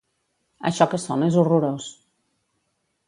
Això que sona és horrorós.